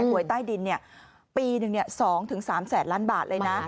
หวยใต้ดินปีหนึ่ง๒๓แสนล้านบาทเลยนะ